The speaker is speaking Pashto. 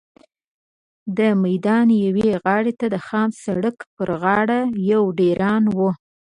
د میدان یوې غاړې ته د خام سړک پر غاړه یو ډېران و.